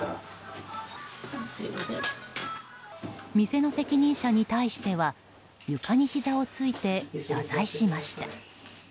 店の責任者に対しては床にひざをついて謝罪しました。